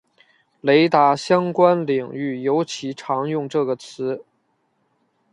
雷达相关领域尤其常用这个词。